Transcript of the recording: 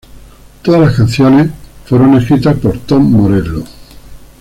Todas las canciones fueron escritas por Tom Morello.